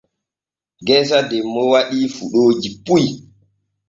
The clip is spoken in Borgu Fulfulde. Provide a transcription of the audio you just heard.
Geesa demmo waɗii fuɗooji puy.